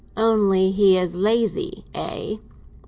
"Only he is lazy, eh?"